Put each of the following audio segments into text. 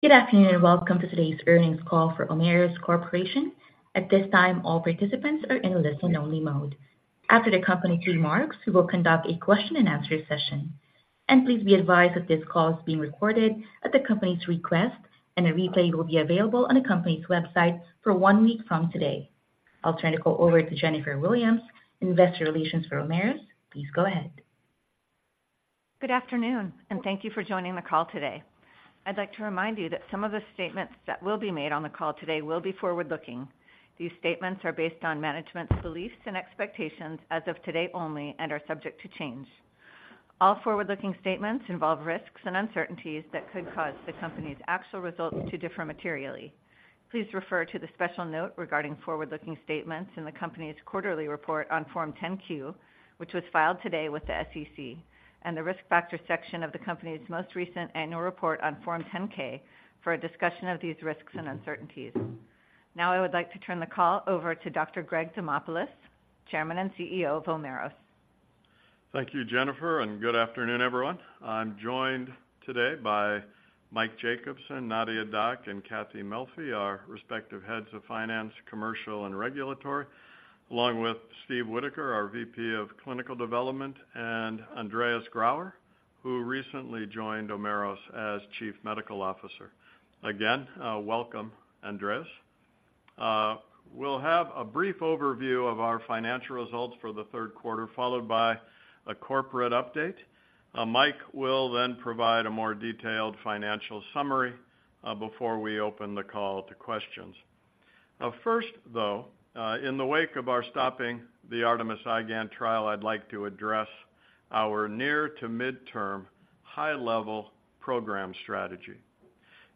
Good afternoon, and welcome to today's earnings call for Omeros Corporation. At this time, all participants are in a listen-only mode. After the company remarks, we will conduct a question-and-answer session. Please be advised that this call is being recorded at the company's request, and a replay will be available on the company's website for one week from today. I'll turn the call over to Jennifer Williams, Investor Relations for Omeros. Please go ahead. Good afternoon, and thank you for joining the call today. I'd like to remind you that some of the statements that will be made on the call today will be forward-looking. These statements are based on management's beliefs and expectations as of today only and are subject to change. All forward-looking statements involve risks and uncertainties that could cause the company's actual results to differ materially. Please refer to the special note regarding forward-looking statements in the company's quarterly report on Form 10-Q, which was filed today with the SEC, and the Risk Factor section of the company's most recent annual report on Form 10-K for a discussion of these risks and uncertainties. Now, I would like to turn the call over to Dr. Greg Demopulos, Chairman and CEO of Omeros. Thank you, Jennifer, and good afternoon, everyone. I'm joined today by Mike Jacobsen, Nadia Dac, and Cathy Melfi, our respective heads of finance, commercial, and regulatory, along with Steve Whitaker, our VP of Clinical Development, and Andreas Grauer, who recently joined Omeros as Chief Medical Officer. Again, welcome, Andreas. We'll have a brief overview of our financial results for the third quarter, followed by a corporate update. Mike will then provide a more detailed financial summary, before we open the call to questions. First, though, in the wake of our stopping the ARTEMIS-IgAN trial, I'd like to address our near to midterm high-level program strategy.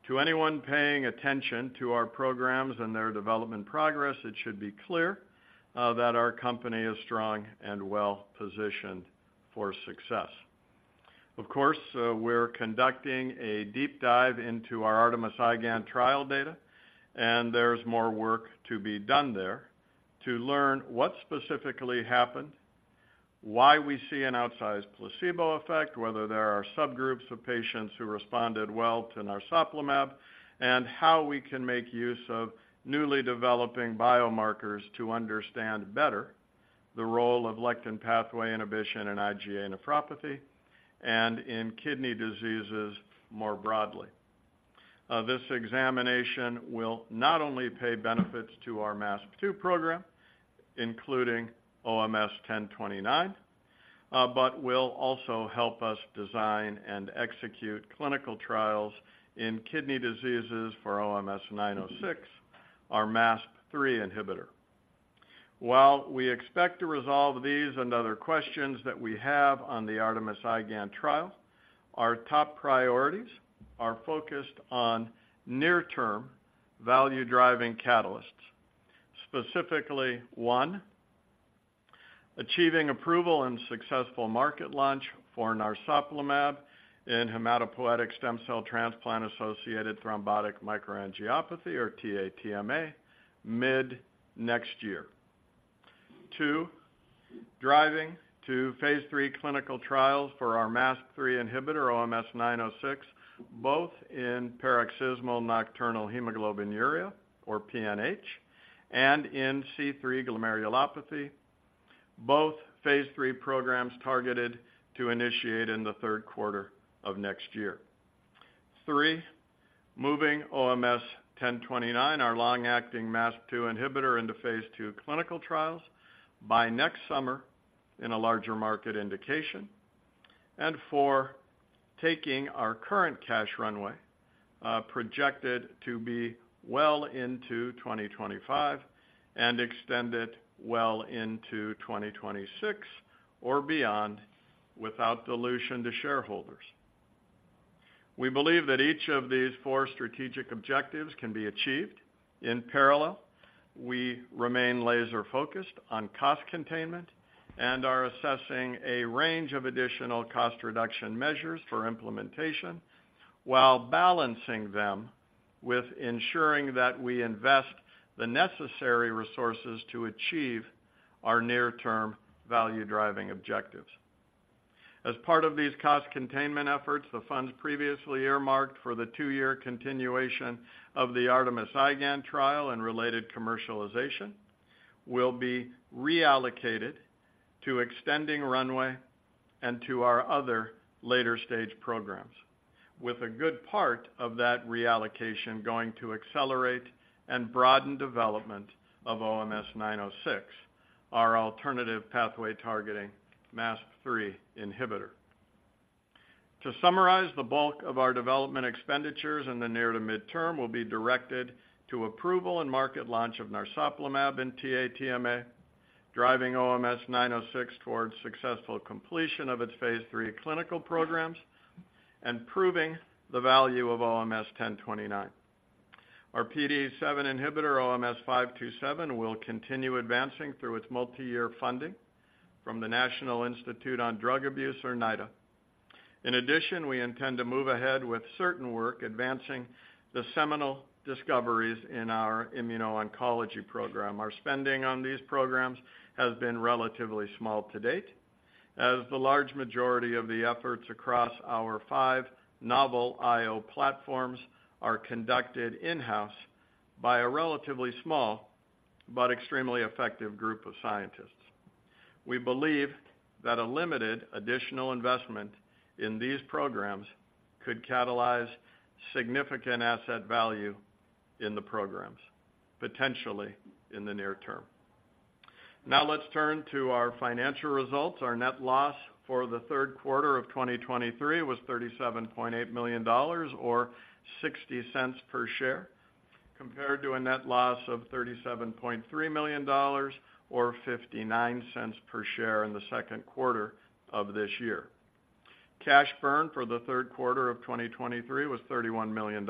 To anyone paying attention to our programs and their development progress, it should be clear, that our company is strong and well-positioned for success. Of course, we're conducting a deep dive into our ARTEMIS-IgAN trial data, and there's more work to be done there to learn what specifically happened, why we see an outsized placebo effect, whether there are subgroups of patients who responded well to narsoplimab, and how we can make use of newly developing biomarkers to understand better the role of lectin pathway inhibition in IgA nephropathy and in kidney diseases more broadly. This examination will not only pay benefits to our MASP-2 program, including OMS1029, but will also help us design and execute clinical trials in kidney diseases for OMS906, our MASP-3 inhibitor. While we expect to resolve these and other questions that we have on the ARTEMIS-IgAN trial, our top priorities are focused on near-term value-driving catalysts, specifically, one, achieving approval and successful market launch for narsoplimab in hematopoietic stem cell transplant-associated thrombotic microangiopathy, or TA-TMA, mid-next year. Two, driving to phase III clinical trials for our MASP-3 inhibitor, OMS906, both in paroxysmal nocturnal hemoglobinuria, or PNH, and in C3 glomerulopathy, both phase III programs targeted to initiate in the third quarter of next year. Three, moving OMS1029, our long-acting MASP-2 inhibitor, into phase II clinical trials by next summer in a larger market indication. And four, taking our current cash runway, projected to be well into 2025 and extend it well into 2026 or beyond without dilution to shareholders. We believe that each of these four strategic objectives can be achieved. In parallel, we remain laser-focused on cost containment and are assessing a range of additional cost reduction measures for implementation, while balancing them with ensuring that we invest the necessary resources to achieve our near-term value-driving objectives. As part of these cost-containment efforts, the funds previously earmarked for the two-year continuation of the ARTEMIS-IgAN trial and related commercialization will be reallocated to extending runway and to our other later-stage programs, with a good part of that reallocation going to accelerate and broaden development of OMS906, our alternative pathway targeting MASP-3 inhibitor. To summarize, the bulk of our development expenditures in the near to midterm will be directed to approval and market launch of narsoplimab in TA-TMA, driving OMS906 towards successful completion of its phase III clinical programs, and proving the value of OMS1029. Our PDE7 inhibitor, OMS527, will continue advancing through its multi-year funding from the National Institute on Drug Abuse, or NIDA. In addition, we intend to move ahead with certain work advancing the seminal discoveries in our immuno-oncology program. Our spending on these programs has been relatively small to date… as the large majority of the efforts across our 5 novel I-O platforms are conducted in-house by a relatively small but extremely effective group of scientists. We believe that a limited additional investment in these programs could catalyze significant asset value in the programs, potentially in the near term. Now let's turn to our financial results. Our net loss for the third quarter of 2023 was $37.8 million, or $0.60 per share, compared to a net loss of $37.3 million, or $0.59 per share in the second quarter of this year. Cash burn for the third quarter of 2023 was $31 million.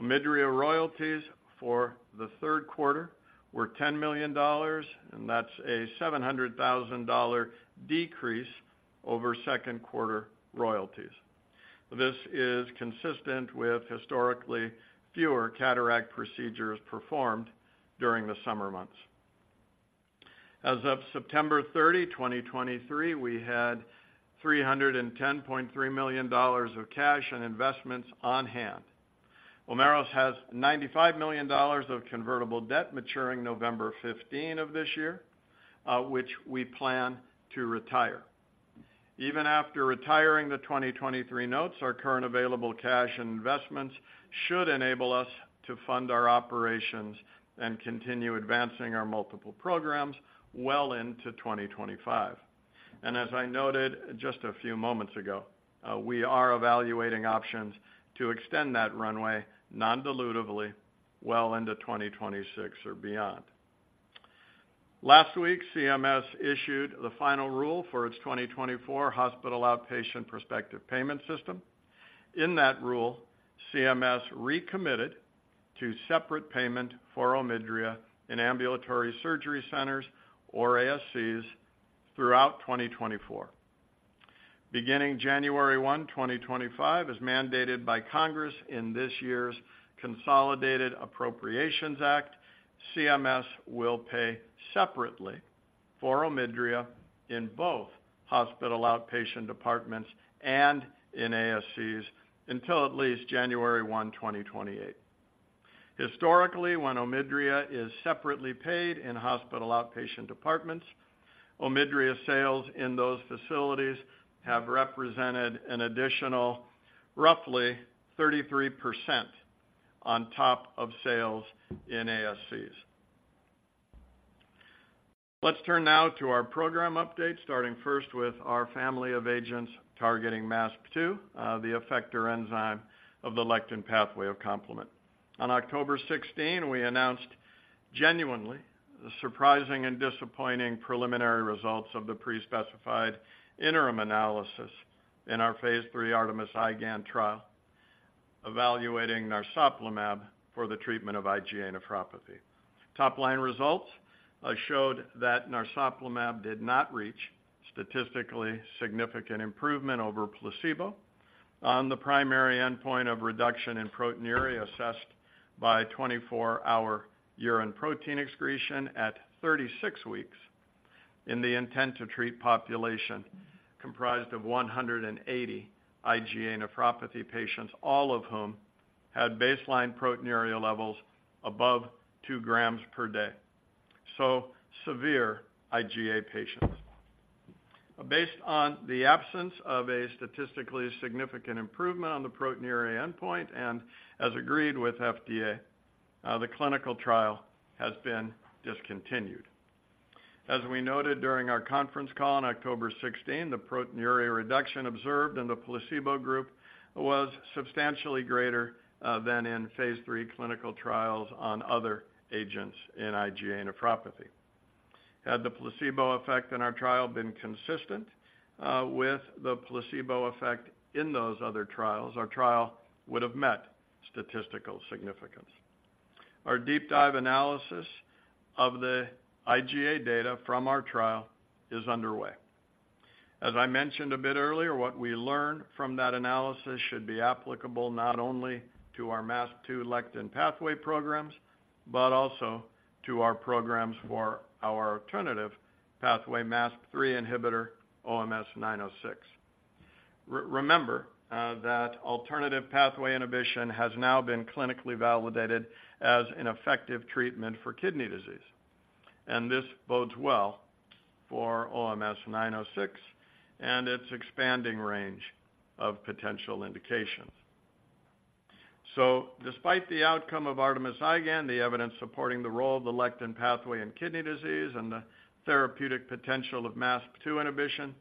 OMIDRIA royalties for the third quarter were $10 million, and that's a $700,000 decrease over second quarter royalties. This is consistent with historically fewer cataract procedures performed during the summer months. As of September 30, 2023, we had $310.3 million of cash and investments on hand. Omeros has $95 million of convertible debt maturing November 15 of this year, which we plan to retire. Even after retiring the 2023 notes, our current available cash and investments should enable us to fund our operations and continue advancing our multiple programs well into 2025. As I noted just a few moments ago, we are evaluating options to extend that runway non-dilutively well into 2026 or beyond. Last week, CMS issued the final rule for its 2024 Hospital Outpatient Prospective Payment System. In that rule, CMS recommitted to separate payment for OMIDRIA in ambulatory surgery centers, or ASCs, throughout 2024. Beginning January 1, 2025, as mandated by Congress in this year's Consolidated Appropriations Act, CMS will pay separately for OMIDRIA in both hospital outpatient departments and in ASCs until at least January 1, 2028. Historically, when OMIDRIA is separately paid in hospital outpatient departments, OMIDRIA sales in those facilities have represented an additional roughly 33% on top of sales in ASCs. Let's turn now to our program update, starting first with our family of agents targeting MASP-2, the effector enzyme of the lectin pathway of complement. On October 16, we announced genuinely surprising and disappointing preliminary results of the pre-specified interim analysis in our phase III ARTEMIS-IgAN trial, evaluating narsoplimab for the treatment of IgA nephropathy. Top line results showed that narsoplimab did not reach statistically significant improvement over placebo on the primary endpoint of reduction in proteinuria, assessed by 24-hour urine protein excretion at 36 weeks in the intent-to-treat population, comprised of 180 IgA nephropathy patients, all of whom had baseline proteinuria levels above 2 grams per day, so severe IgA patients. Based on the absence of a statistically significant improvement on the proteinuria endpoint, and as agreed with FDA, the clinical trial has been discontinued. As we noted during our conference call on October 16, the proteinuria reduction observed in the placebo group was substantially greater than in phase III clinical trials on other agents in IgA nephropathy. Had the placebo effect in our trial been consistent with the placebo effect in those other trials, our trial would have met statistical significance. Our deep dive analysis of the IgA data from our trial is underway. As I mentioned a bit earlier, what we learned from that analysis should be applicable not only to our MASP-2 lectin pathway programs, but also to our programs for our alternative pathway MASP-3 inhibitor, OMS906. Remember, that alternative pathway inhibition has now been clinically validated as an effective treatment for kidney disease, and this bodes well for OMS906 and its expanding range of potential indications. So despite the outcome of ARTEMIS-IgAN, the evidence supporting the role of the lectin pathway in kidney disease and the therapeutic potential of MASP-2 inhibition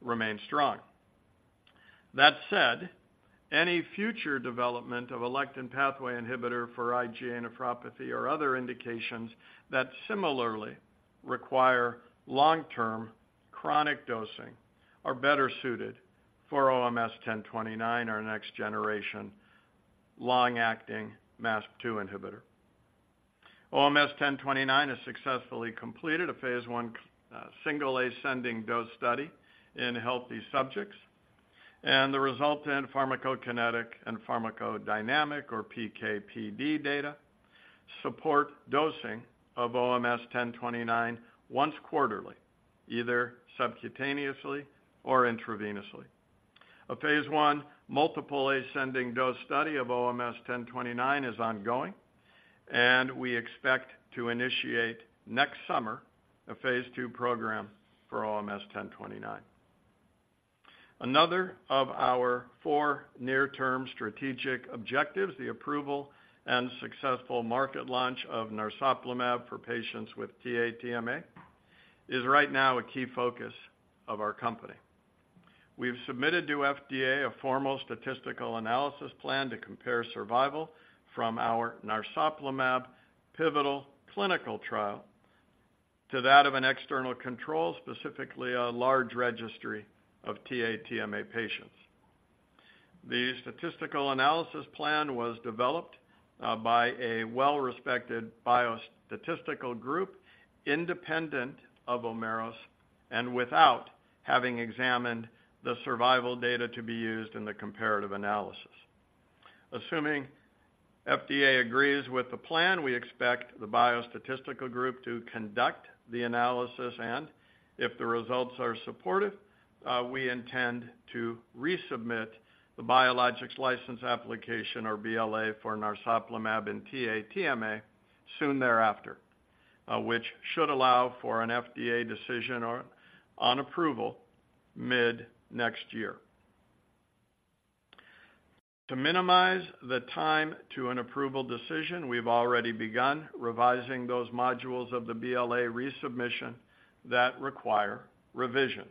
remains strong. That said, any future development of a lectin pathway inhibitor for IgA nephropathy or other indications that similarly require long-term chronic dosing are better suited for OMS1029, our next-generation long-acting MASP-2 inhibitor. OMS1029 has successfully completed a phase I single ascending dose study in healthy subjects, and the result in pharmacokinetic and pharmacodynamic, or PK/PD data, support dosing of OMS1029 once quarterly, either subcutaneously or intravenously. A phase I multiple ascending dose study of OMS1029 is ongoing, and we expect to initiate next summer a phase II program for OMS1029. Another of our four near-term strategic objectives, the approval and successful market launch of narsoplimab for patients with TA-TMA, is right now a key focus of our company. We've submitted to FDA a formal statistical analysis plan to compare survival from our narsoplimab pivotal clinical trial to that of an external control, specifically a large registry of TA-TMA patients. The statistical analysis plan was developed by a well-respected biostatistical group, independent of Omeros, and without having examined the survival data to be used in the comparative analysis. Assuming FDA agrees with the plan, we expect the biostatistical group to conduct the analysis, and if the results are supportive, we intend to resubmit the Biologics License Application or BLA for narsoplimab and TA-TMA soon thereafter, which should allow for an FDA decision on approval mid next year. To minimize the time to an approval decision, we've already begun revising those modules of the BLA resubmission that require revision.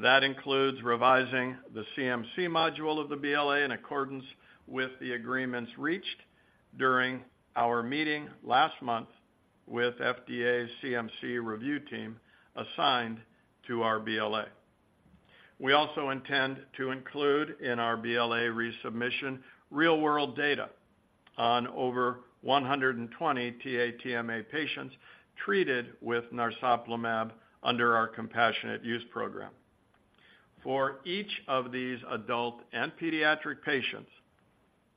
That includes revising the CMC module of the BLA in accordance with the agreements reached during our meeting last month with FDA's CMC review team assigned to our BLA. We also intend to include in our BLA resubmission, real-world data on over 120 TA-TMA patients treated with narsoplimab under our Compassionate Use Program. For each of these adult and pediatric patients,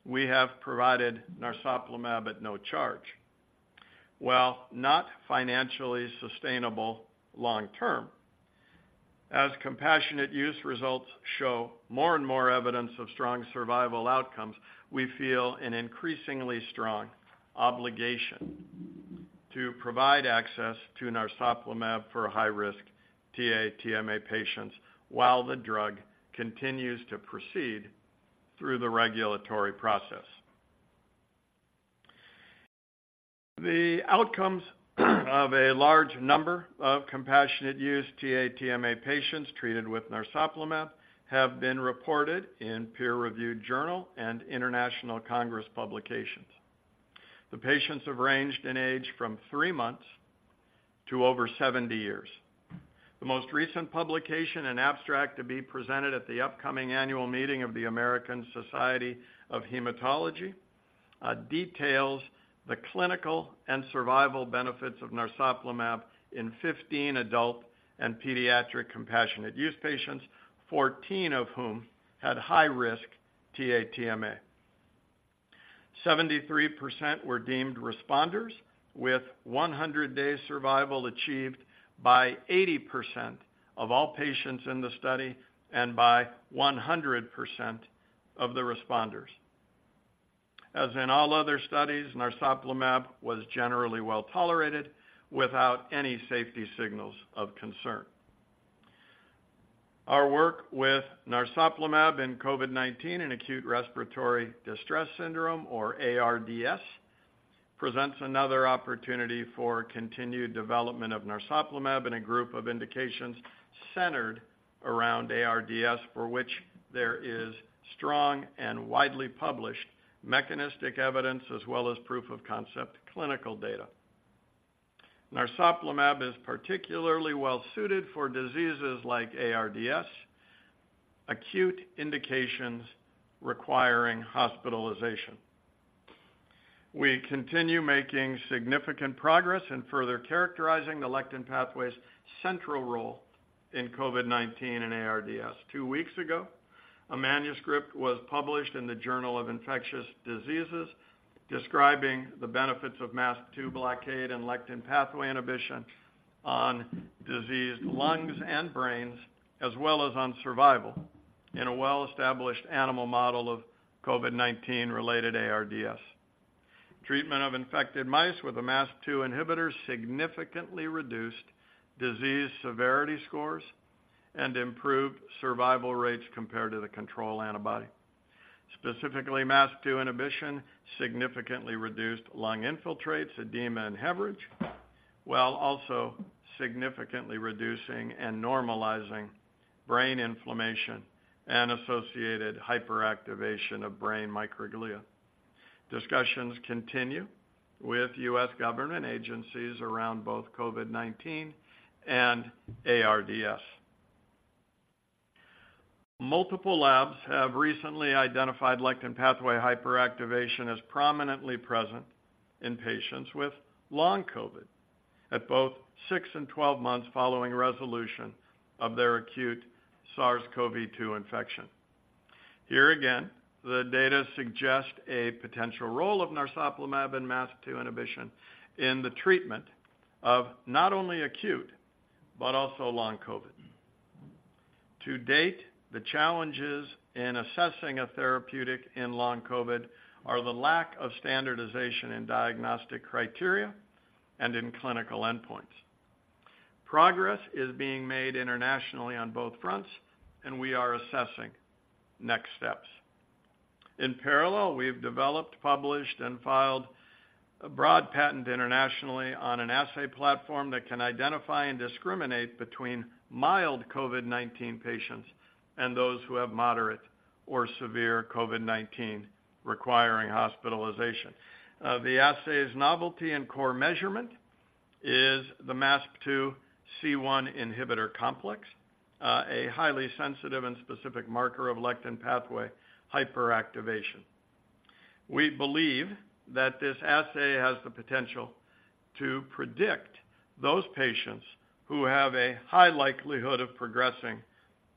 we have provided narsoplimab at no charge. While not financially sustainable long term, as compassionate use results show more and more evidence of strong survival outcomes, we feel an increasingly strong obligation to provide access to narsoplimab for high-risk TA-TMA patients while the drug continues to proceed through the regulatory process. The outcomes of a large number of compassionate use TA-TMA patients treated with narsoplimab have been reported in peer-reviewed journal and international congress publications. The patients have ranged in age from three months to over 70 years. The most recent publication and abstract to be presented at the upcoming annual meeting of the American Society of Hematology details the clinical and survival benefits of narsoplimab in 15 adult and pediatric compassionate use patients, 14 of whom had high-risk TA-TMA. 73% were deemed responders, with 100-day survival achieved by 80% of all patients in the study, and by 100% of the responders. As in all other studies, narsoplimab was generally well tolerated without any safety signals of concern. Our work with narsoplimab in COVID-19 and acute respiratory distress syndrome or ARDS, presents another opportunity for continued development of narsoplimab in a group of indications centered around ARDS, for which there is strong and widely published mechanistic evidence, as well as proof of concept clinical data. Narsoplimab is particularly well-suited for diseases like ARDS, acute indications requiring hospitalization. We continue making significant progress in further characterizing the lectin pathway's central role in COVID-19 and ARDS. Two weeks ago, a manuscript was published in the Journal of Infectious Diseases, describing the benefits of MASP-2 blockade and lectin pathway inhibition on diseased lungs and brains, as well as on survival, in a well-established animal model of COVID-19 related ARDS. Treatment of infected mice with a MASP-2 inhibitor significantly reduced disease severity scores and improved survival rates compared to the control antibody. Specifically, MASP-2 inhibition significantly reduced lung infiltrates, edema, and hemorrhage, while also significantly reducing and normalizing brain inflammation and associated hyperactivation of brain microglia. Discussions continue with U.S. government agencies around both COVID-19 and ARDS. Multiple labs have recently identified lectin pathway hyperactivation as prominently present in patients with long COVID, at both six and 12 months following resolution of their acute SARS-CoV-2 infection. Here again, the data suggest a potential role of narsoplimab in MASP-2 inhibition in the treatment of not only acute, but also long COVID. To date, the challenges in assessing a therapeutic in long COVID are the lack of standardization in diagnostic criteria and in clinical endpoints. Progress is being made internationally on both fronts, and we are assessing next steps. In parallel, we've developed, published, and filed a broad patent internationally on an assay platform that can identify and discriminate between mild COVID-19 patients and those who have moderate or severe COVID-19 requiring hospitalization. The assay's novelty and core measurement is the MASP-2/C1 inhibitor complex, a highly sensitive and specific marker of lectin pathway hyperactivation. We believe that this assay has the potential to predict those patients who have a high likelihood of progressing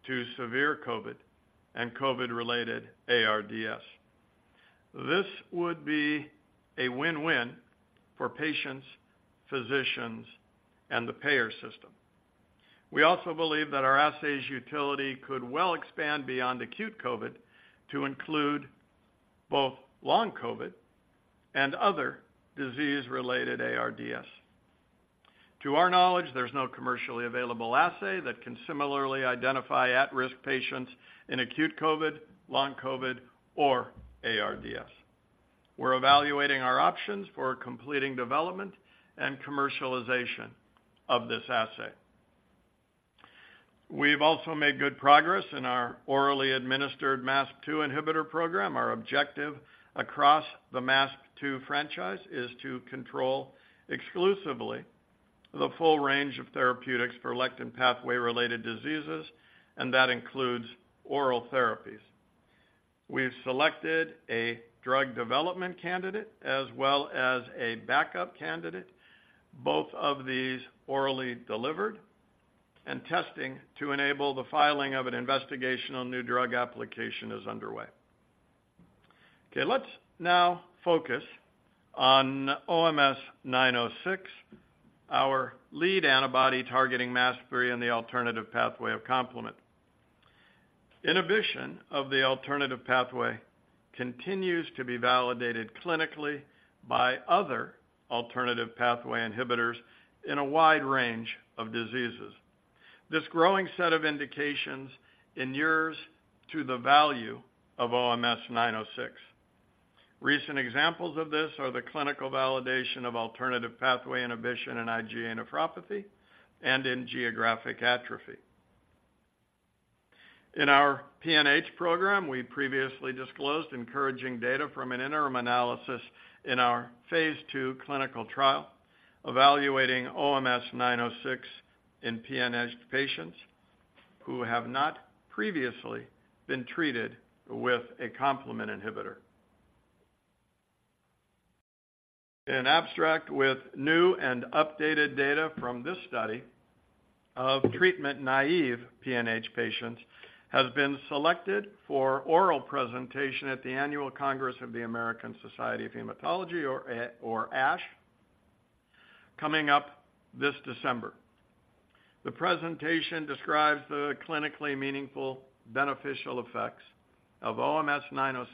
to severe COVID and COVID-related ARDS. This would be a win-win for patients, physicians, and the payer system. We also believe that our assay's utility could well expand beyond acute COVID to include both long COVID and other disease-related ARDS. To our knowledge, there's no commercially available assay that can similarly identify at-risk patients in acute COVID, long COVID, or ARDS. We're evaluating our options for completing development and commercialization of this assay. We've also made good progress in our orally administered MASP-2 inhibitor program. Our objective across the MASP-2 franchise is to control exclusively the full range of therapeutics for lectin pathway-related diseases, and that includes oral therapies. We've selected a drug development candidate as well as a backup candidate, both of these orally delivered, and testing to enable the filing of an Investigational New Drug application is underway. Okay, let's now focus on OMS906, our lead antibody targeting MASP-3 and the alternative pathway of complement. Inhibition of the alternative pathway continues to be validated clinically by other alternative pathway inhibitors in a wide range of diseases. This growing set of indications inures to the value of OMS906. Recent examples of this are the clinical validation of alternative pathway inhibition in IgA nephropathy and in geographic atrophy. In our PNH program, we previously disclosed encouraging data from an interim analysis in our phase II clinical trial, evaluating OMS906 in PNH patients who have not previously been treated with a complement inhibitor. An abstract with new and updated data from this study of treatment-naive PNH patients, has been selected for oral presentation at the Annual Congress of the American Society of Hematology, or ASH, coming up this December. The presentation describes the clinically meaningful beneficial effects of OMS906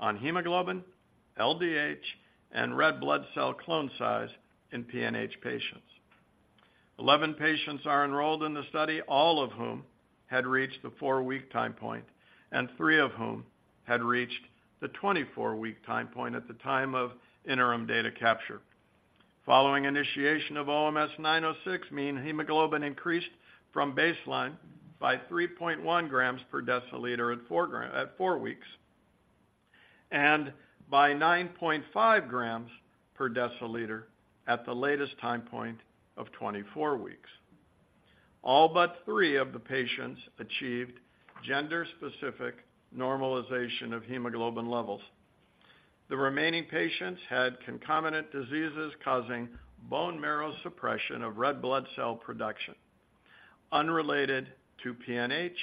on hemoglobin, LDH, and red blood cell clone size in PNH patients. 11 patients are enrolled in the study, all of whom had reached the 4-week time point, and 3 of whom had reached the 24-week time point at the time of interim data capture. Following initiation of OMS906, mean hemoglobin increased from baseline by 3.1 grams per deciliter at 4 weeks, and by 9.5 grams per deciliter at the latest time point of 24 weeks. All but 3 of the patients achieved gender-specific normalization of hemoglobin levels. The remaining patients had concomitant diseases causing bone marrow suppression of red blood cell production, unrelated to PNH,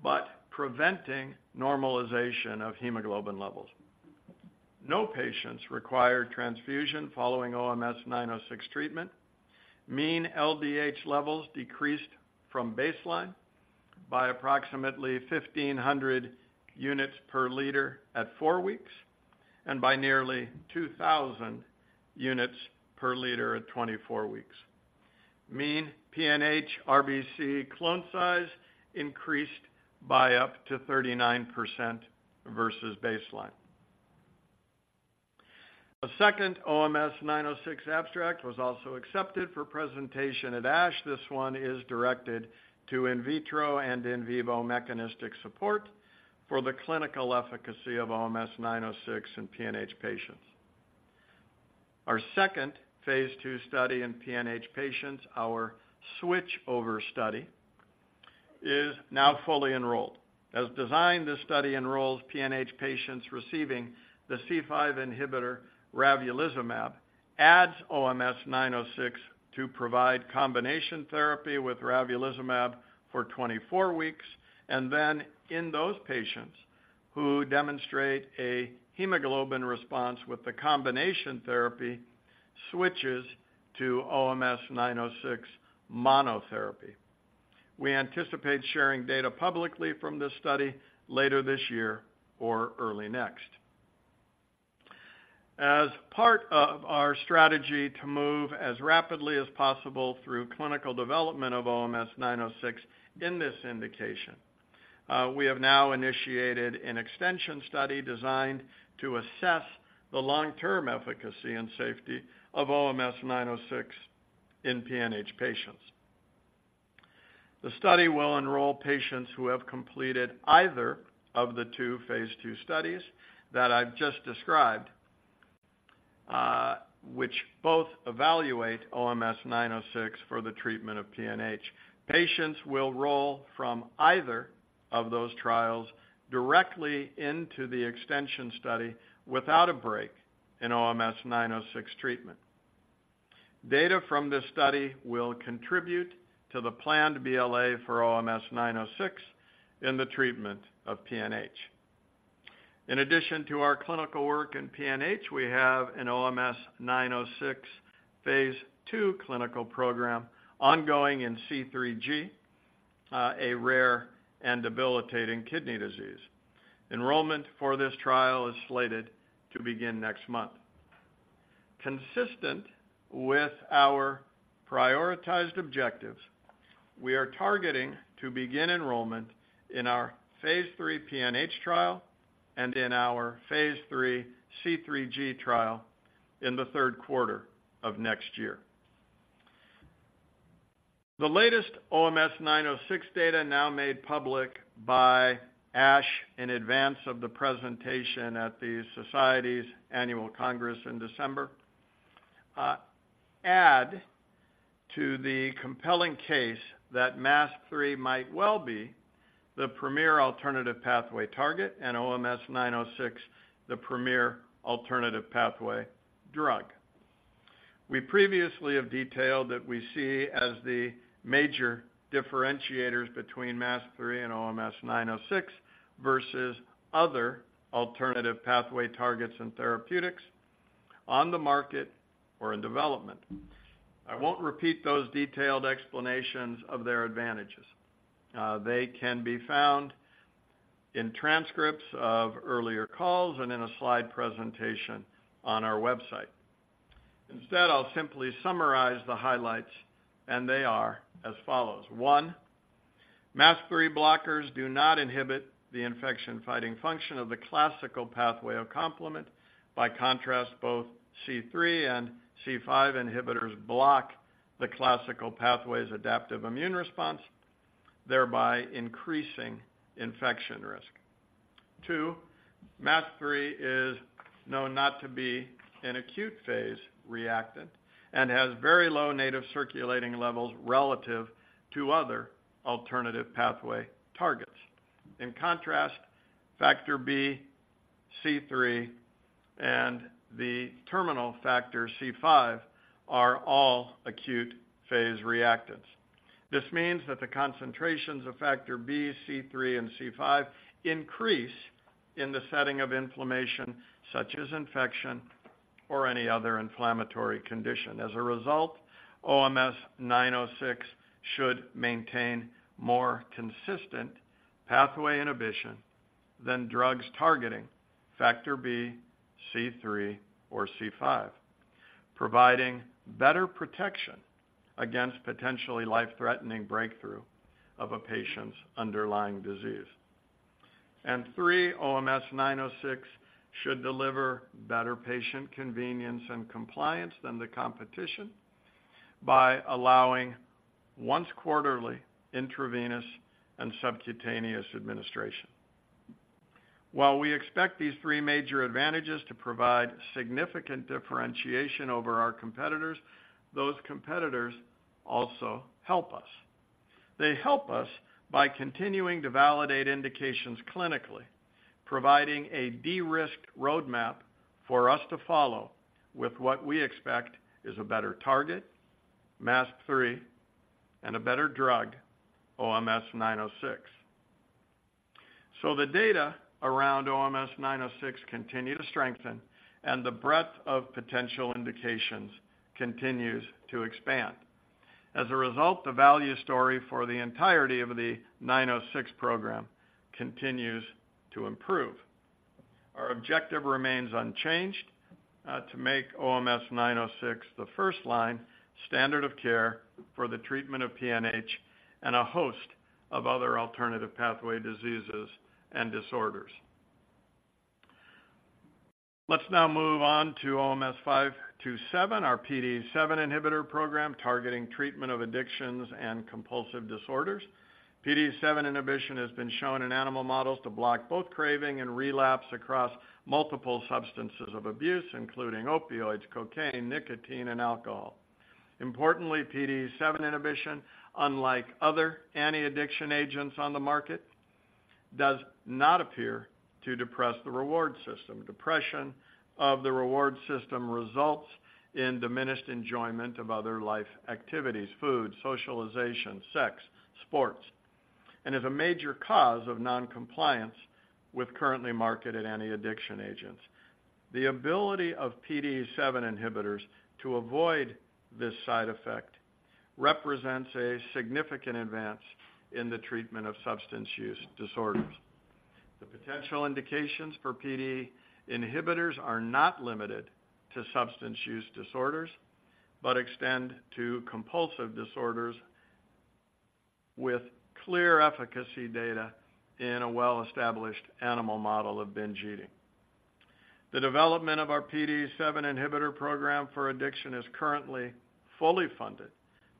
but preventing normalization of hemoglobin levels. No patients required transfusion following OMS906 treatment. Mean LDH levels decreased from baseline by approximately 1,500 units per liter at 4 weeks, and by nearly 2,000 units per liter at 24 weeks. Mean PNH RBC clone size increased by up to 39% versus baseline. A second OMS906 abstract was also accepted for presentation at ASH. This one is directed to in vitro and in vivo mechanistic support for the clinical efficacy of OMS906 in PNH patients. Our second phase II study in PNH patients, our switchover study, is now fully enrolled. As designed, this study enrolls PNH patients receiving the C5 inhibitor, ravulizumab, adds OMS906 to provide combination therapy with ravulizumab for 24 weeks. And then in those patients who demonstrate a hemoglobin response with the combination therapy, switches to OMS906 monotherapy. We anticipate sharing data publicly from this study later this year or early next. As part of our strategy to move as rapidly as possible through clinical development of OMS906 in this indication, we have now initiated an extension study designed to assess the long-term efficacy and safety of OMS906 in PNH patients. The study will enroll patients who have completed either of the two phase II studies that I've just described, which both evaluate OMS906 for the treatment of PNH. Patients will roll from either of those trials directly into the extension study without a break in OMS906 treatment. Data from this study will contribute to the planned BLA for OMS906 in the treatment of PNH. In addition to our clinical work in PNH, we have an OMS906 phase II clinical program ongoing in C3G, a rare and debilitating kidney disease. Enrollment for this trial is slated to begin next month. Consistent with our prioritized objectives, we are targeting to begin enrollment in our phase III PNH trial and in our phase III C3G trial in the third quarter of next year. The latest OMS906 data, now made public by ASH in advance of the presentation at the Society's Annual Congress in December, add to the compelling case that MASP-3 might well be the premier alternative pathway target, and OMS906, the premier alternative pathway drug. We previously have detailed that we see as the major differentiators between MASP-3 and OMS906 versus other alternative pathway targets and therapeutics on the market or in development. I won't repeat those detailed explanations of their advantages. They can be found in transcripts of earlier calls and in a slide presentation on our website. Instead, I'll simply summarize the highlights, and they are as follows: One, MASP-3 blockers do not inhibit the infection-fighting function of the classical pathway of complement. By contrast, both C3 and C5 inhibitors block the classical pathway's adaptive immune response, thereby increasing infection risk. Two, MASP-3 is known not to be an acute phase reactant and has very low native circulating levels relative to other alternative pathway targets. In contrast, Factor B, C3, and the terminal factor C5 are all acute phase reactants. This means that the concentrations of Factor B, C3, and C5 increase in the setting of inflammation, such as infection or any other inflammatory condition. As a result, OMS906 should maintain more consistent pathway inhibition than drugs targeting Factor B, C3, or C5, providing better protection against potentially life-threatening breakthrough of a patient's underlying disease. Three, OMS906 should deliver better patient convenience and compliance than the competition by allowing once quarterly intravenous and subcutaneous administration. While we expect these three major advantages to provide significant differentiation over our competitors, those competitors also help us. They help us by continuing to validate indications clinically, providing a de-risked roadmap for us to follow with what we expect is a better target, MASP-3, and a better drug, OMS906. So the data around OMS906 continue to strengthen, and the breadth of potential indications continues to expand. As a result, the value story for the entirety of the OMS906 program continues to improve. Our objective remains unchanged, to make OMS906 the first-line standard of care for the treatment of PNH and a host of other alternative pathway diseases and disorders. Let's now move on to OMS527, our PDE7 inhibitor program targeting treatment of addictions and compulsive disorders. PDE7 inhibition has been shown in animal models to block both craving and relapse across multiple substances of abuse, including opioids, cocaine, nicotine, and alcohol. Importantly, PDE7 inhibition, unlike other anti-addiction agents on the market does not appear to depress the reward system. Depression of the reward system results in diminished enjoyment of other life activities: food, socialization, sex, sports, and is a major cause of non-compliance with currently marketed anti-addiction agents. The ability of PDE7 inhibitors to avoid this side effect represents a significant advance in the treatment of substance use disorders. The potential indications for PDE inhibitors are not limited to substance use disorders, but extend to compulsive disorders with clear efficacy data in a well-established animal model of binge eating. The development of our PDE7 inhibitor program for addiction is currently fully funded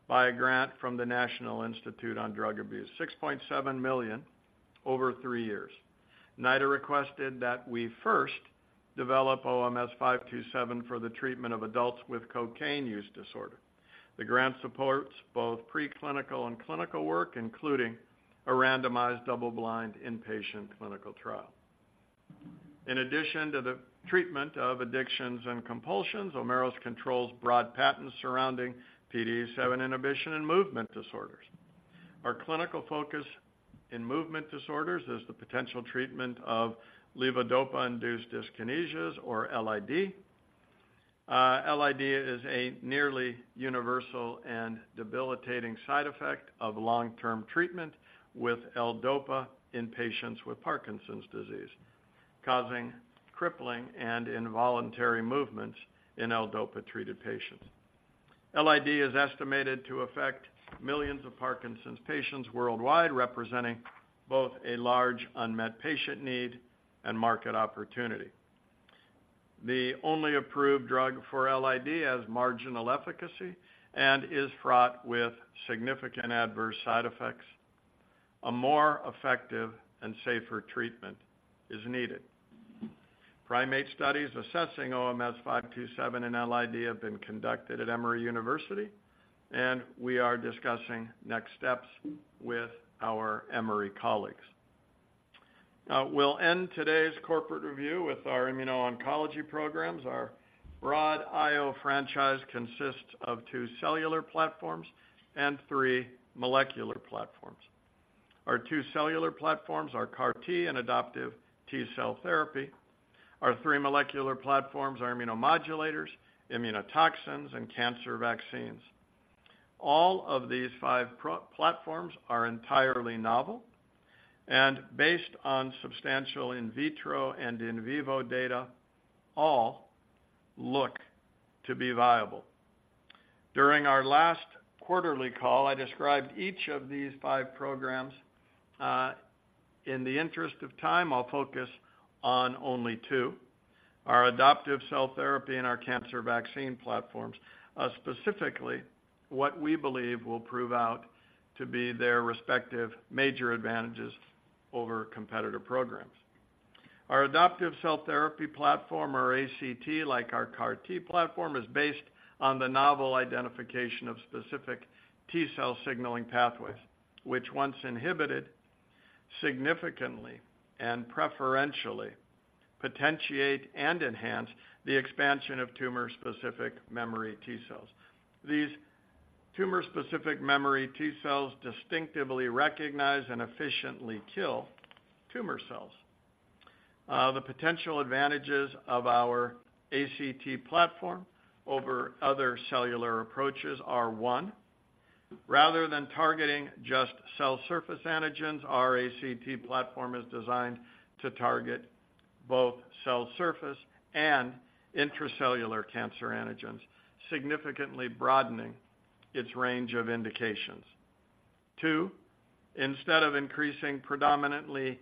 by a grant from the National Institute on Drug Abuse, $6.7 million over three years. NIDA requested that we first develop OMS527 for the treatment of adults with cocaine use disorder. The grant supports both preclinical and clinical work, including a randomized, double-blind, inpatient clinical trial. In addition to the treatment of addictions and compulsions, Omeros controls broad patents surrounding PDE7 inhibition and movement disorders. Our clinical focus in movement disorders is the potential treatment of levodopa-induced dyskinesias, or LID. LID is a nearly universal and debilitating side effect of long-term treatment with L-DOPA in patients with Parkinson's disease, causing crippling and involuntary movements in L-DOPA-treated patients. LID is estimated to affect millions of Parkinson's patients worldwide, representing both a large unmet patient need and market opportunity. The only approved drug for LID has marginal efficacy and is fraught with significant adverse side effects. A more effective and safer treatment is needed. Primate studies assessing OMS527 and LID have been conducted at Emory University, and we are discussing next steps with our Emory colleagues. We'll end today's corporate review with our immuno-oncology programs. Our broad I-O franchise consists of two cellular platforms and three molecular platforms. Our two cellular platforms are CAR T and adoptive T-cell therapy. Our three molecular platforms are immunomodulators, immunotoxins, and cancer vaccines. All of these five platforms are entirely novel and based on substantial in vitro and in vivo data, all look to be viable. During our last quarterly call, I described each of these five programs. In the interest of time, I'll focus on only two, our adoptive cell therapy and our cancer vaccine platforms, specifically, what we believe will prove out to be their respective major advantages over competitive programs. Our adoptive cell therapy platform, or ACT, like our CAR T platform, is based on the novel identification of specific T-cell signaling pathways, which, once inhibited, significantly and preferentially potentiate and enhance the expansion of tumor-specific memory T cells. These tumor-specific memory T cells distinctively recognize and efficiently kill tumor cells. The potential advantages of our ACT platform over other cellular approaches are, one, rather than targeting just cell surface antigens, our ACT platform is designed to target both cell surface and intracellular cancer antigens, significantly broadening its range of indications. Two, instead of increasing predominantly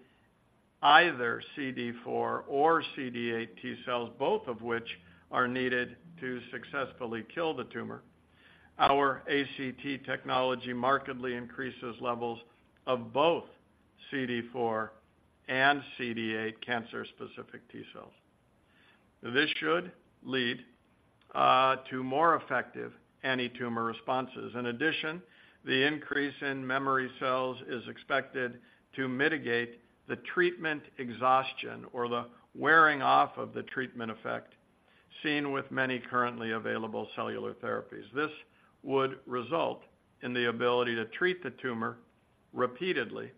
either CD4 or CD8 T cells, both of which are needed to successfully kill the tumor, our ACT technology markedly increases levels of both CD4 and CD8 cancer-specific T cells. This should lead to more effective anti-tumor responses. In addition, the increase in memory cells is expected to mitigate the treatment exhaustion or the wearing off of the treatment effect, seen with many currently available cellular therapies. This would result in the ability to treat the tumor repeatedly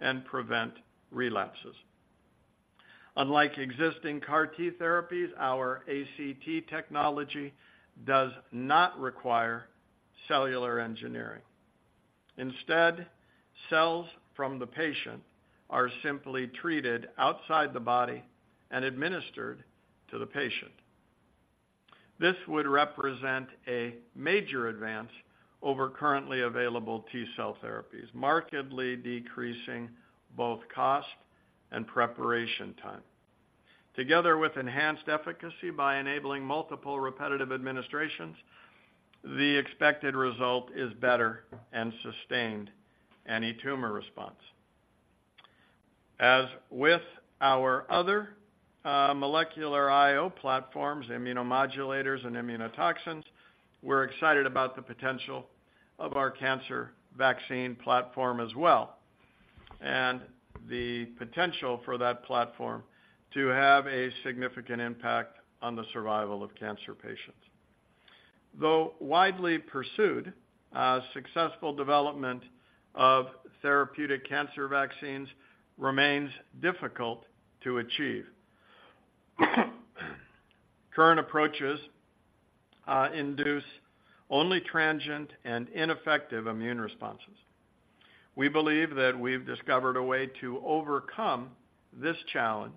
and prevent relapses. Unlike existing CAR T therapies, our ACT technology does not require cellular engineering. Instead, cells from the patient are simply treated outside the body and administered to the patient. This would represent a major advance over currently available T-cell therapies, markedly decreasing both cost and preparation time. Together with enhanced efficacy by enabling multiple repetitive administrations, the expected result is better and sustained anti-tumor response. As with our other molecular I-O platforms, immunomodulators, and immunotoxins. We're excited about the potential of our cancer vaccine platform as well, and the potential for that platform to have a significant impact on the survival of cancer patients. Though widely pursued, successful development of therapeutic cancer vaccines remains difficult to achieve. Current approaches induce only transient and ineffective immune responses. We believe that we've discovered a way to overcome this challenge,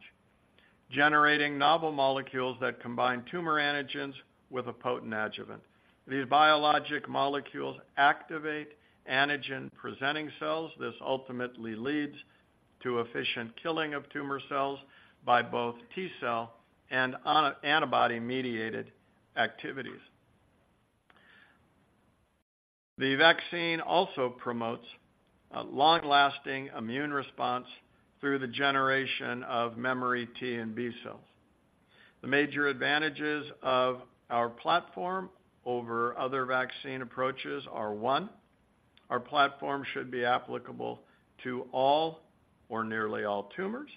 generating novel molecules that combine tumor antigens with a potent adjuvant. These biologic molecules activate antigen-presenting cells. This ultimately leads to efficient killing of tumor cells by both T-cell and antibody-mediated activities. The vaccine also promotes a long-lasting immune response through the generation of memory T and B cells. The major advantages of our platform over other vaccine approaches are, one, our platform should be applicable to all or nearly all tumors,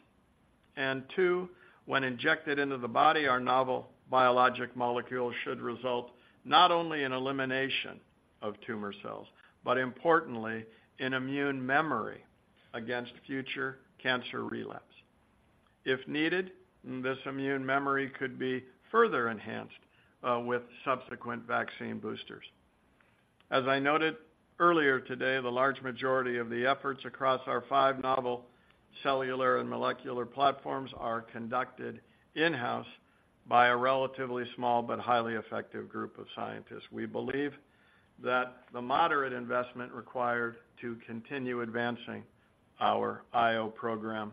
and two, when injected into the body, our novel biologic molecule should result not only in elimination of tumor cells, but importantly, in immune memory against future cancer relapse. If needed, this immune memory could be further enhanced with subsequent vaccine boosters. As I noted earlier today, the large majority of the efforts across our five novel cellular and molecular platforms are conducted in-house by a relatively small but highly effective group of scientists. We believe that the moderate investment required to continue advancing our I-O program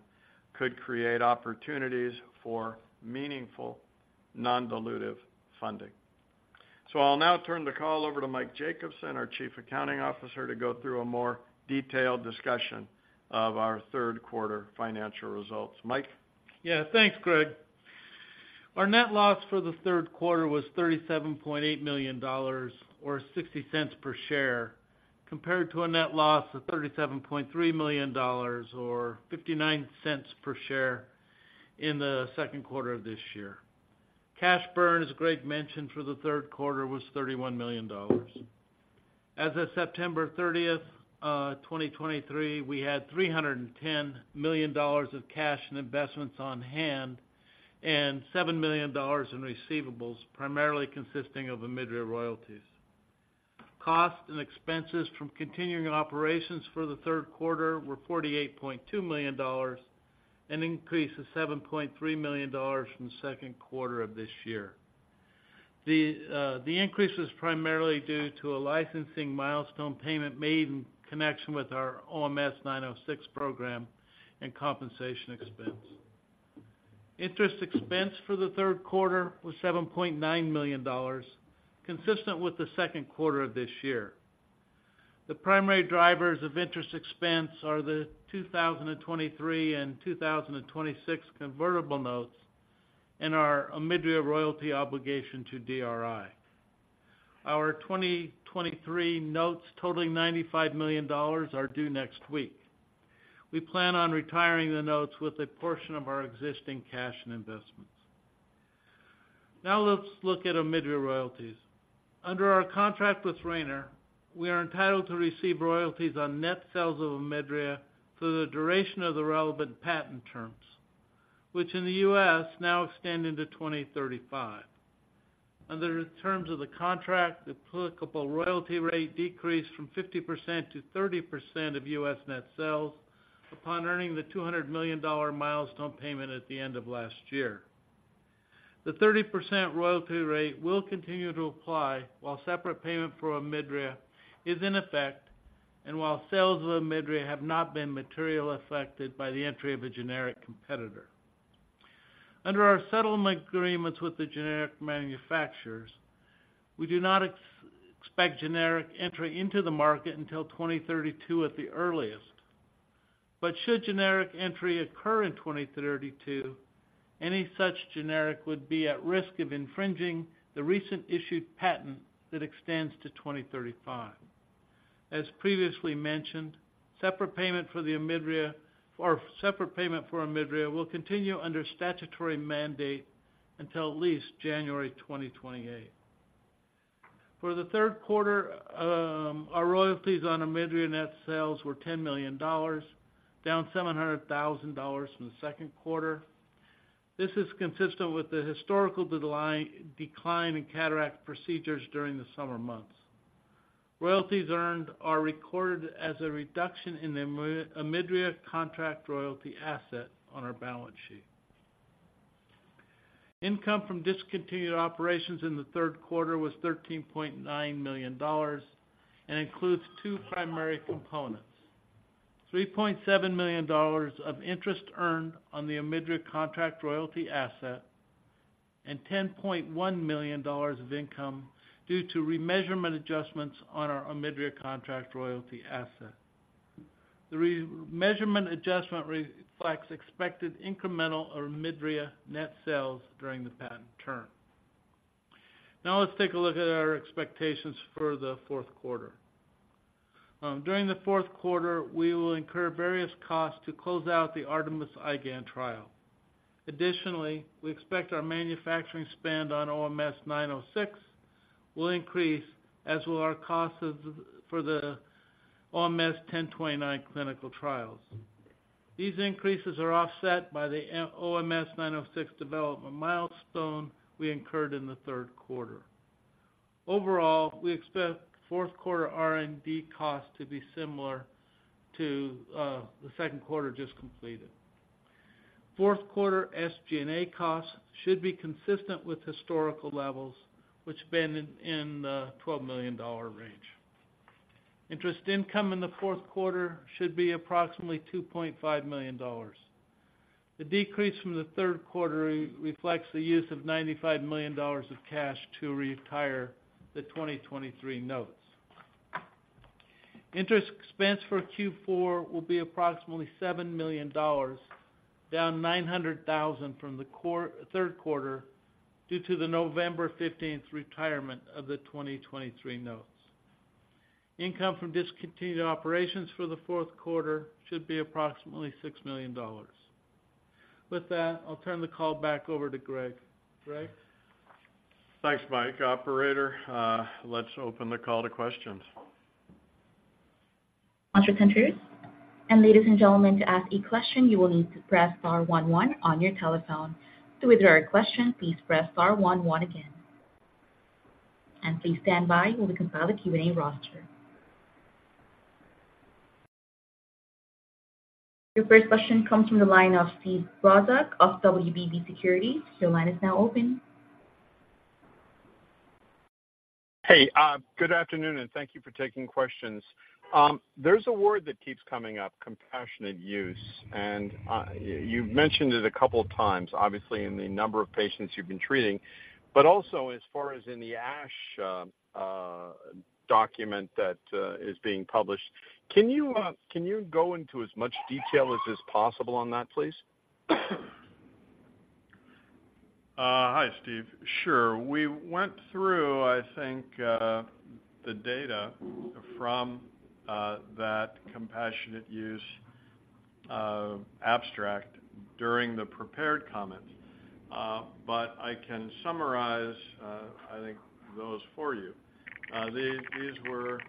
could create opportunities for meaningful, non-dilutive funding. So I'll now turn the call over to Mike Jacobsen, our Chief Accounting Officer, to go through a more detailed discussion of our third quarter financial results. Mike? Yeah, thanks, Greg. Our net loss for the third quarter was $37.8 million, or $0.60 per share, compared to a net loss of $37.3 million, or $0.59 per share in the second quarter of this year. Cash burn, as Greg mentioned, for the third quarter, was $31 million. As of September 30, 2023, we had $310 million of cash and investments on hand, and $7 million in receivables, primarily consisting of OMIDRIA royalties. Costs and expenses from continuing operations for the third quarter were $48.2 million, an increase of $7.3 million from the second quarter of this year. The increase was primarily due to a licensing milestone payment made in connection with our OMS906 program and compensation expense. Interest expense for the third quarter was $7.9 million, consistent with the second quarter of this year. The primary drivers of interest expense are the 2023 and 2026 convertible notes and our OMIDRIA royalty obligation to DRI. Our 2023 notes, totaling $95 million, are due next week. We plan on retiring the notes with a portion of our existing cash and investments. Now, let's look at OMIDRIA royalties. Under our contract with Rayner, we are entitled to receive royalties on net sales of OMIDRIA for the duration of the relevant patent terms, which in the U.S. now extend into 2035. Under the terms of the contract, the applicable royalty rate decreased from 50%-30% of U.S. net sales upon earning the $200 million milestone payment at the end of last year. The 30% royalty rate will continue to apply while separate payment for OMIDRIA is in effect, and while sales of OMIDRIA have not been materially affected by the entry of a generic competitor. Under our settlement agreements with the generic manufacturers, we do not expect generic entry into the market until 2032 at the earliest. But should generic entry occur in 2032, any such generic would be at risk of infringing the recent issued patent that extends to 2035. As previously mentioned, separate payment for the OMIDRIA, or separate payment for OMIDRIA will continue under statutory mandate until at least January 2028. For the third quarter, our royalties on OMIDRIA net sales were $10 million, down $700,000 from the second quarter. This is consistent with the historical decline in cataract procedures during the summer months. Royalties earned are recorded as a reduction in the OMIDRIA contract royalty asset on our balance sheet. Income from discontinued operations in the third quarter was $13.9 million and includes two primary components: $3.7 million of interest earned on the OMIDRIA contract royalty asset, and $10.1 million of income due to remeasurement adjustments on our OMIDRIA contract royalty asset. The remeasurement adjustment reflects expected incremental or OMIDRIA net sales during the patent term. Now let's take a look at our expectations for the fourth quarter. During the fourth quarter, we will incur various costs to close out the ARTEMIS-IgAN trial. Additionally, we expect our manufacturing spend on OMS906 will increase, as will our costs of, for the OMS1029 clinical trials. These increases are offset by the OMS906 development milestone we incurred in the third quarter. Overall, we expect fourth quarter R&D costs to be similar to the second quarter just completed. Fourth quarter SG&A costs should be consistent with historical levels, which have been in the $12 million range. Interest income in the fourth quarter should be approximately $2.5 million. The decrease from the third quarter reflects the use of $95 million of cash to retire the 2023 notes. Interest expense for Q4 will be approximately $7 million, down $900,000 from the third quarter, due to the November 15th retirement of the 2023 notes. Income from discontinued operations for the fourth quarter should be approximately $6 million. With that, I'll turn the call back over to Greg. Greg? Thanks, Mike. Operator, let's open the call to questions. Ladies and gentlemen, to ask a question, you will need to press star one one on your telephone. To withdraw your question, please press star one one again. And please stand by while we compile the Q&A roster. Your first question comes from the line of Steve Brozak of WBB Securities. Your line is now open. Hey, good afternoon, and thank you for taking questions. There's a word that keeps coming up, compassionate use, and you've mentioned it a couple of times, obviously, in the number of patients you've been treating, but also as far as in the ASH document that is being published. Can you go into as much detail as is possible on that, please? Hi, Steve. Sure. We went through, I think, the data from that compassionate use abstract during the prepared comments. But I can summarize, I think, those for you. These, these were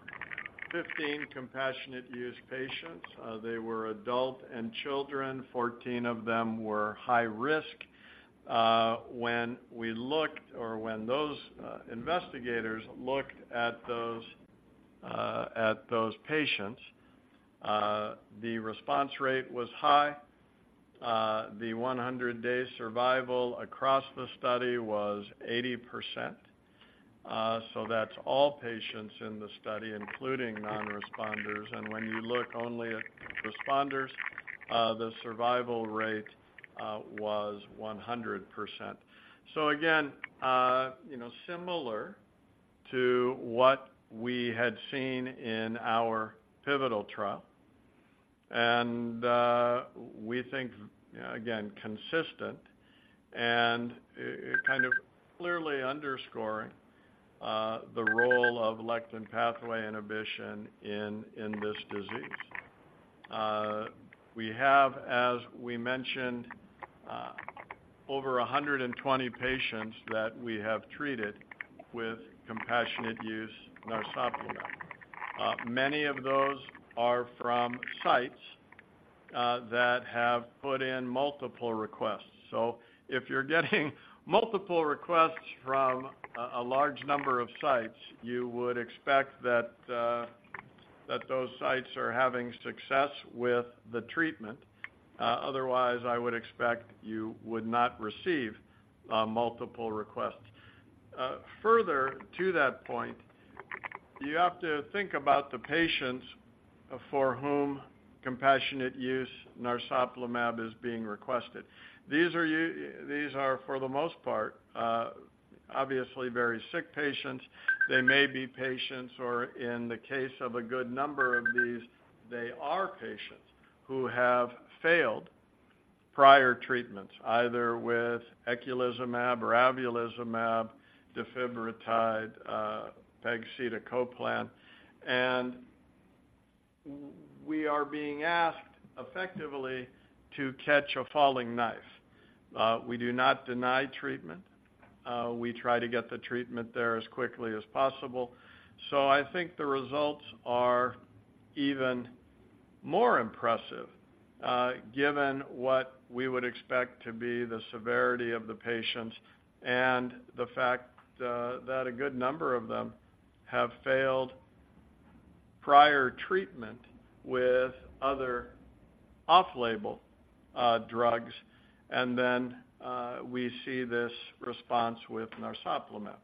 15 compassionate use patients. They were adult and children. 14 of them were high risk. When we looked or when those investigators looked at those, at those patients, the response rate was high. The 100-day survival across the study was 80%. So that's all patients in the study, including nonresponders. And when you look only at responders, the survival rate was 100%. So again, you know, similar to what we had seen in our pivotal trial, and we think, again, consistent and kind of clearly underscoring the role of lectin pathway inhibition in this disease. We have, as we mentioned, over 120 patients that we have treated with compassionate use narsoplimab. Many of those are from sites that have put in multiple requests. So if you're getting multiple requests from a large number of sites, you would expect that those sites are having success with the treatment. Otherwise, I would expect you would not receive multiple requests. Further to that point, you have to think about the patients for whom compassionate use narsoplimab is being requested. These are, for the most part, obviously very sick patients. They may be patients, or in the case of a good number of these, they are patients who have failed prior treatments, either with eculizumab or ravulizumab, defibrotide, pegcetacoplan, and we are being asked effectively to catch a falling knife. We do not deny treatment. We try to get the treatment there as quickly as possible. So I think the results are even more impressive, given what we would expect to be the severity of the patients and the fact that a good number of them have failed prior treatment with other off-label drugs, and then we see this response with narsoplimab.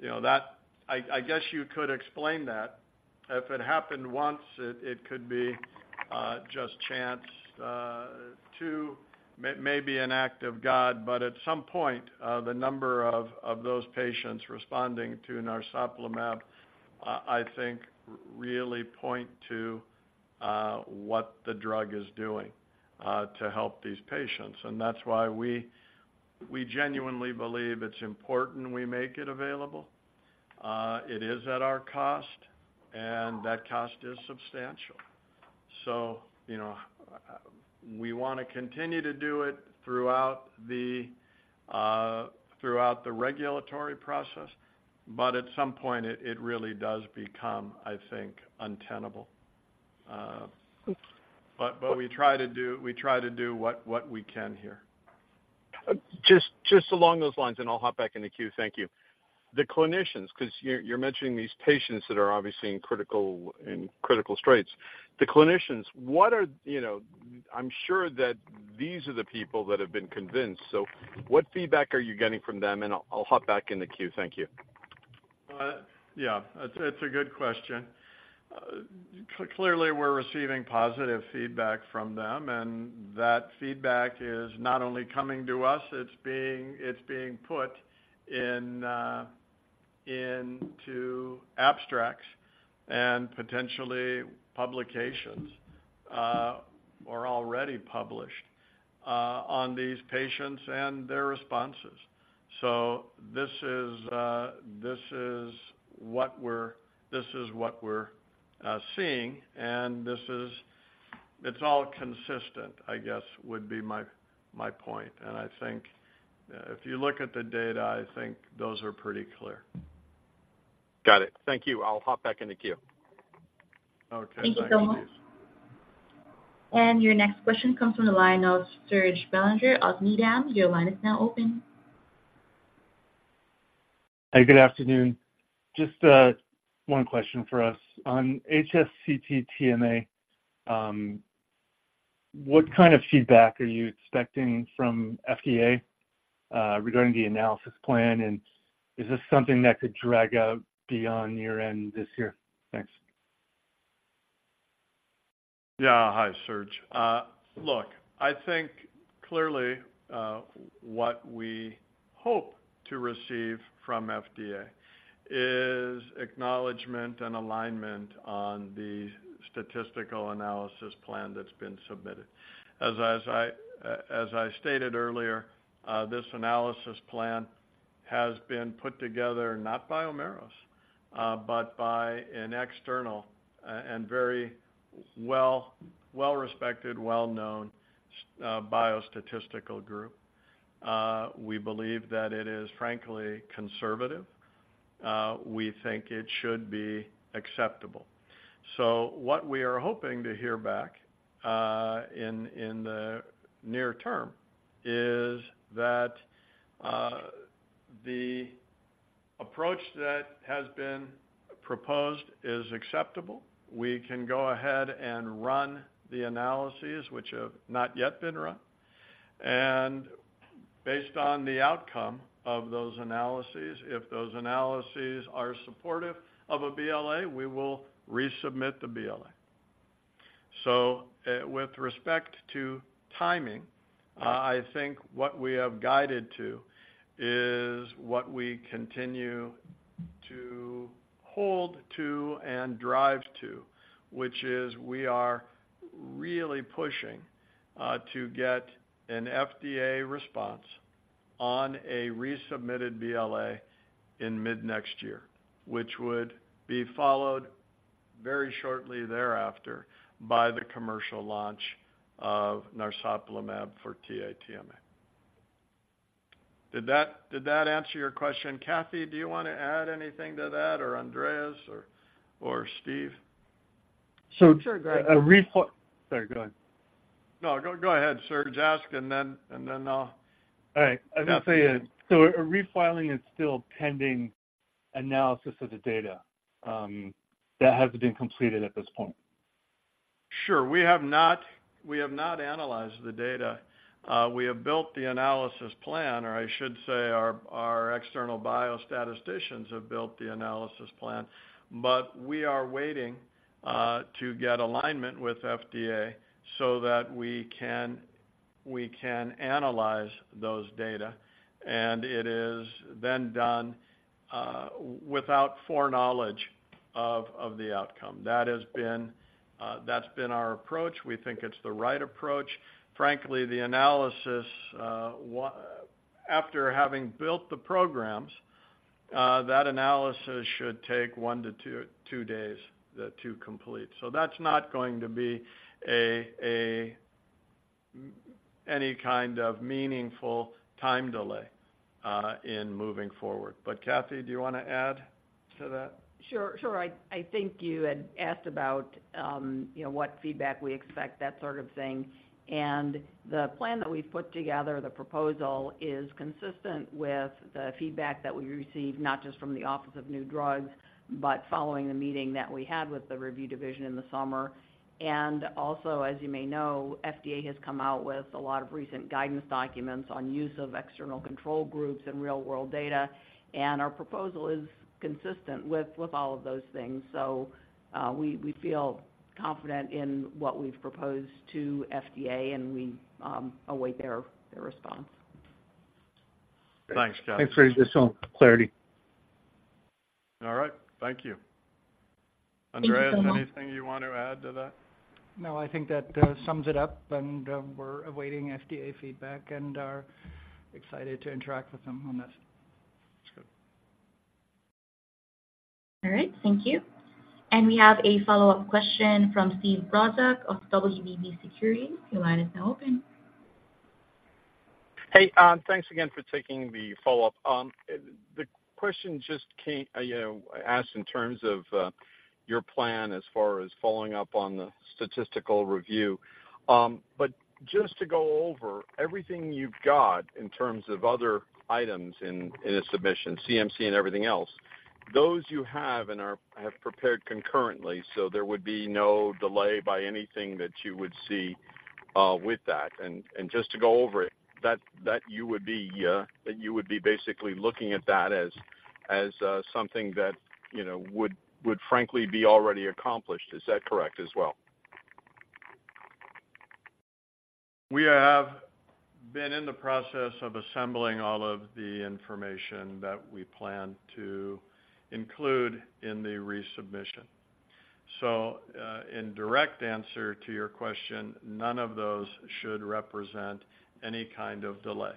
You know, that—I, I guess you could explain that. If it happened once, it could be just chance. Too may be an act of God, but at some point, the number of those patients responding to narsoplimab, I think, really point to what the drug is doing to help these patients. And that's why we genuinely believe it's important we make it available. It is at our cost, and that cost is substantial. So, you know, we wanna continue to do it throughout the regulatory process, but at some point it really does become, I think, untenable. But we try to do what we can here. Just, just along those lines, and I'll hop back in the queue, thank you. The clinicians, 'cause you're, you're mentioning these patients that are obviously in critical, in critical straits. The clinicians, what are... You know, I'm sure that these are the people that have been convinced, so what feedback are you getting from them? And I'll, I'll hop back in the queue. Thank you. Yeah, it's a good question. Clearly, we're receiving positive feedback from them, and that feedback is not only coming to us, it's being put into abstracts and potentially publications, or already published, on these patients and their responses. So this is what we're seeing, and it's all consistent, I guess, would be my point. And I think, if you look at the data, I think those are pretty clear. Got it. Thank you. I'll hop back in the queue. Okay. Thank you so much. Your next question comes from the line of Serge Belanger of Needham & Company. Your line is now open. Hi, good afternoon. Just one question for us. On HSCT-TMA, what kind of feedback are you expecting from FDA, regarding the analysis plan? And is this something that could drag out beyond year-end this year? Thanks. Yeah. Hi, Serge. Look, I think clearly, what we hope to receive from FDA is acknowledgment and alignment on the statistical analysis plan that's been submitted. As I stated earlier, this analysis plan has been put together not by Omeros, but by an external, and very well-respected, well-known, biostatistical group. We believe that it is frankly conservative. We think it should be acceptable. So what we are hoping to hear back, in the near term is that, the approach that has been proposed is acceptable. We can go ahead and run the analyses which have not yet been run. And based on the outcome of those analyses, if those analyses are supportive of a BLA, we will resubmit the BLA. So, with respect to timing, I think what we have guided to is what we continue to hold to and drive to, which is we are really pushing to get an FDA response on a resubmitted BLA in mid-next year, which would be followed very shortly thereafter by the commercial launch of narsoplimab for TA-TMA. Did that, did that answer your question? Cathy, do you want to add anything to that, or Andreas or, or Steve? So, sure, go ahead. Sorry, go ahead. No, go, go ahead, Serge. Ask, and then, and then I'll- All right. I was going to say, so a refiling is still pending analysis of the data that hasn't been completed at this point? Sure. We have not, we have not analyzed the data. We have built the analysis plan, or I should say, our, our external biostatisticians have built the analysis plan, but we are waiting to get alignment with FDA so that we can, we can analyze those data, and it is then done without foreknowledge of the outcome. That has been, that's been our approach. We think it's the right approach. Frankly, the analysis, after having built the programs, that analysis should take 1-2 days to complete. So that's not going to be a, a, any kind of meaningful time delay in moving forward. But Cathy, do you want to add to that? Sure. Sure. I think you had asked about, you know, what feedback we expect, that sort of thing. And the plan that we've put together, the proposal, is consistent with the feedback that we received, not just from the Office of New Drugs, but following the meeting that we had with the review division in the summer. And also, as you may know, FDA has come out with a lot of recent guidance documents on use of external control groups and real-world data, and our proposal is consistent with all of those things. So, we feel confident in what we've proposed to FDA, and we await their response. Thanks, Cathy. Thanks for just some clarity. All right. Thank you. Andreas, anything you want to add to that? No, I think that sums it up, and we're awaiting FDA feedback and are excited to interact with them on this. That's good. All right, thank you. We have a follow-up question from Steve Brozak of WBB Securities. Your line is now open. Hey, thanks again for taking the follow-up. The question just came, you know, asked in terms of your plan as far as following up on the statistical review. But just to go over everything you've got in terms of other items in a submission, CMC and everything else, those you have and have prepared concurrently, so there would be no delay by anything that you would see with that. And just to go over it, that you would be basically looking at that as something that, you know, would frankly be already accomplished. Is that correct as well? We have been in the process of assembling all of the information that we plan to include in the resubmission. So, in direct answer to your question, none of those should represent any kind of delay.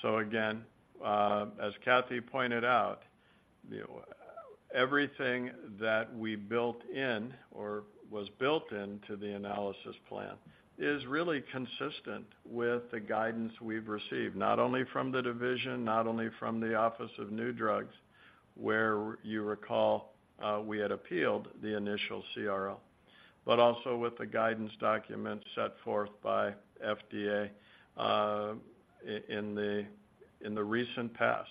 So again, as Cathy pointed out, you know, everything that we built in or was built into the analysis plan is really consistent with the guidance we've received, not only from the division, not only from the Office of New Drugs, where you recall, we had appealed the initial CRL, but also with the guidance document set forth by FDA, in the recent past.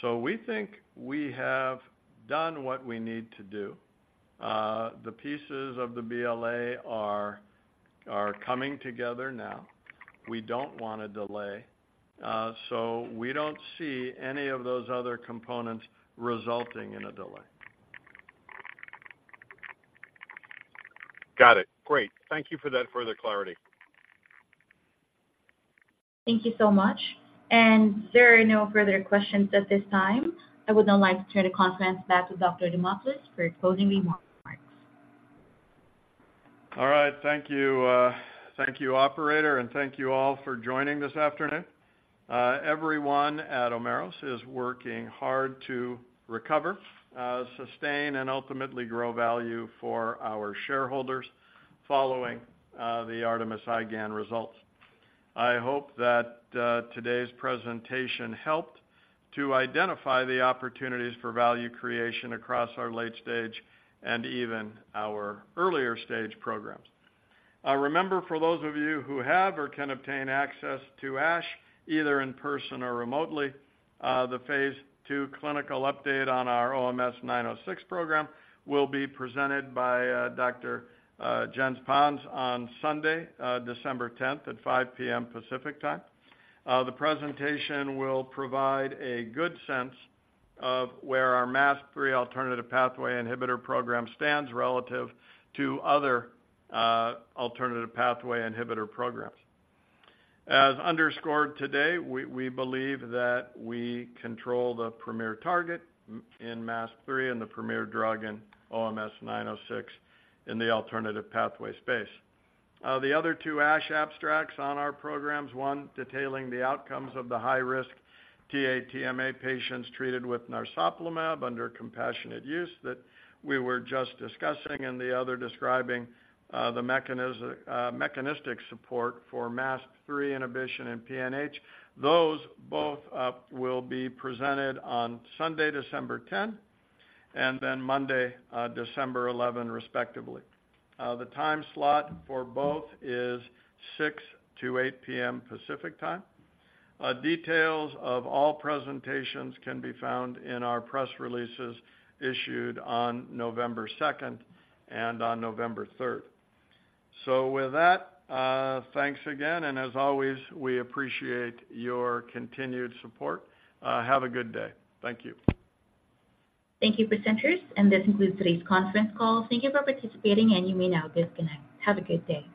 So we think we have done what we need to do. The pieces of the BLA are coming together now. We don't want to delay, so we don't see any of those other components resulting in a delay. Got it. Great. Thank you for that further clarity. Thank you so much. There are no further questions at this time. I would now like to turn the conference back to Dr. Demopulos for closing remarks. All right. Thank you... Thank you, operator, and thank you all for joining this afternoon. Everyone at Omeros is working hard to recover, sustain, and ultimately grow value for our shareholders following the ARTEMIS-IgAN results. I hope that today's presentation helped to identify the opportunities for value creation across our late stage and even our earlier stage programs. Remember, for those of you who have or can obtain access to ASH, either in person or remotely, the phase II clinical update on our OMS906 program will be presented by Dr. Jens Panse on Sunday, December 10th, at 5:00 P.M. Pacific Time. The presentation will provide a good sense of where our MASP-3 alternative pathway inhibitor program stands relative to other alternative pathway inhibitor programs. As underscored today, we, we believe that we control the premier target in MASP-3 and the premier drug in OMS906 in the alternative pathway space. The other two ASH abstracts on our programs, one, detailing the outcomes of the high-risk TA-TMA patients treated with narsoplimab under compassionate use that we were just discussing, and the other describing the mechanistic support for MASP-3 inhibition and PNH. Those both will be presented on Sunday, December 10, and then Monday, December 11, respectively. The time slot for both is 6-8 P.M. Pacific Time. Details of all presentations can be found in our press releases issued on November 2nd and on November 3rd. So with that, thanks again, and as always, we appreciate your continued support. Have a good day. Thank you. Thank you, presenters, and this concludes today's conference call. Thank you for participating, and you may now disconnect. Have a great day.